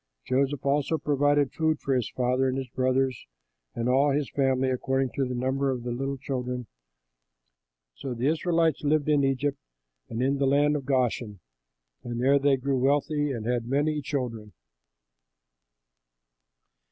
Joseph also provided food for his father and his brothers and all his father's family according to the number of the little children. So the Israelites lived in Egypt, in the land of Goshen, and there they grew wealthy and had many children.